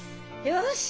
よし！